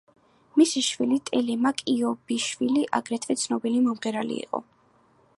მისი შვილი ტელემაკ იობიშვილი აგრეთვე ცნობილი მომღერალი იყო.